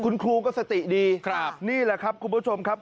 คุณครูก็สติดีครับนี่แหละครับคุณผู้ชมครับ